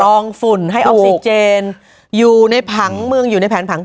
ฝุ่นให้ออกซิเจนอยู่ในผังเมืองอยู่ในแผนผัง